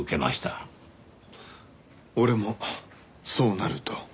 俺もそうなると？